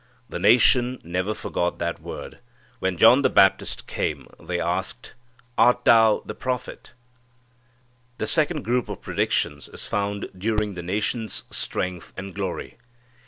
The nation never forgot that word. When John the Baptist came, they asked, "Art thou the prophet?" The second group of predictions is found during the nation's strength and glory.